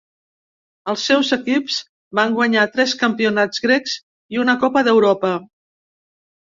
Els seus equips van guanyar tres campionats grecs i una Copa d'Europa.